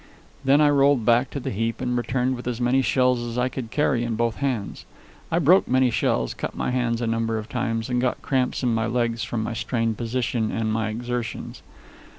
Then I rolled back to the heap and returned with as many shells as I could carry in both hands. I broke many shells, cut my hands a number of times, and got cramps in my legs from my strained position and my exertions.